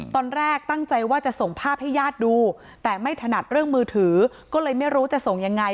ตอนแรกตั้งใจว่าจะส่งภาพให้ญาติดูแต่ไม่ถนัดเรื่องมือถือก็เลยไม่รู้จะส่งยังไง